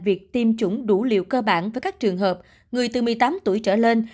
việc tiêm chủng đủ liều cơ bản với các trường hợp người từ một mươi tám tuổi trở lên